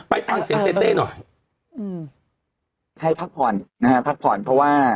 ไปฟังเสียงเต้เต้หน่อยอืมให้พักผ่อนนะฮะพักผ่อนเพราะว่า